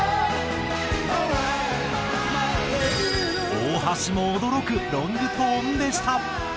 大橋も驚くロングトーンでした。